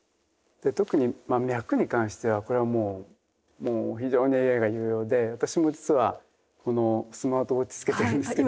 で特にまあ脈に関してはこれはもうもう非常にＡＩが有用で私も実はこのスマートウォッチ着けてるんですけど。